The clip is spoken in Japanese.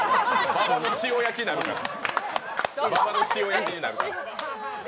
馬場の塩焼きになるから。